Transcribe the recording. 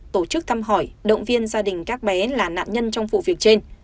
tổ chức thăm hỏi động viên gia đình các bé là nạn nhân trong phụ huynh